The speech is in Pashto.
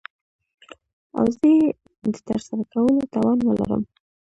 او زه يې دترسره کولو توان وه لرم .